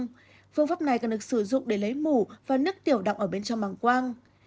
phương pháp này cần được sử dụng để lấy mủ và nước tiểu đọng ở bên trong bằng quang